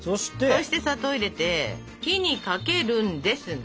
そして砂糖を入れて火にかけるんですが。